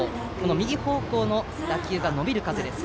右方向の打球が伸びる風です。